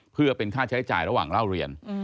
เพื่อเป็นค่าใช้จ่ายระหว่างเล่าเรียน